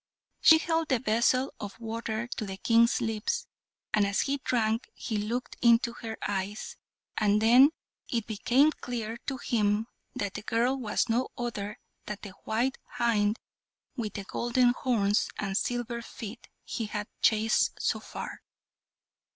She held the vessel of water to the King's lips, and as he drank he looked into her eyes, and then it became clear to him that the girl was no other than the white hind with the golden horns and silver feet he had chased so far.